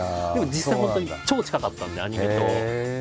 実際本当に超近かったんでアニメと。